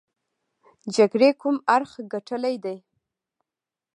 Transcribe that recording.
جګړه کوم اړخ ګټلې ده.